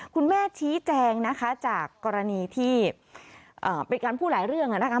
คุณแม่ชี้แจงนะคะจากกรณีที่เป็นการพูดหลายเรื่องนะคะ